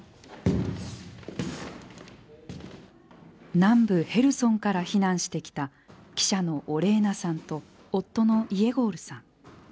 南部ヘルソンから避難してきた記者のオレーナさんと夫のイェゴールさん。